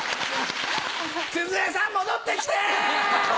鈴江さん戻って来て！